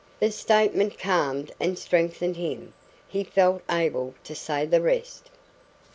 The statement calmed and strengthened him. He felt able to say the rest.